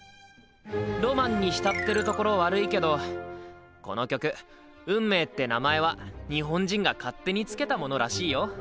ロマンに浸ってるところ悪いけどこの曲「運命」って名前は日本人が勝手に付けたものらしいよ。